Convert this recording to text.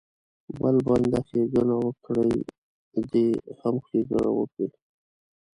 بل بنده ښېګڼه وکړي دی هم ښېګڼه وکړي.